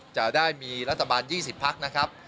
จะได้มีรัฐบาล๒๐พักนะครับ